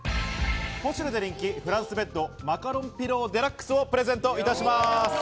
ポシュレで人気「フランスベッドマカロンピローデラックス」をプレゼントいたします。